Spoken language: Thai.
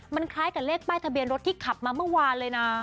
มันคล้ายกับเลขป้ายทะเบียนรถที่ขับมาเมื่อวานเลยนะ